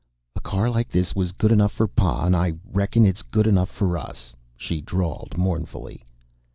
"A car like this was good enough for Pa, an' I reckon it's good enough for us," she drawled mournfully.